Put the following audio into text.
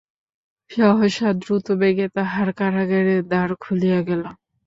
সহসা দ্রুতবেগে তাঁহার কারাগারের দ্বার খুলিয়া গেল।